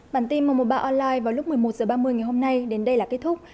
bản tin một trăm một mươi ba online vào lúc một mươi một h ba mươi ngày hôm nay đến đây là kết thúc